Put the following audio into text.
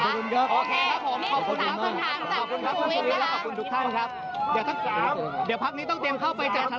จริงยี่ตอนนี้ตอบความรู้ใจว่าอาจจะตอบไม่ชัดเจน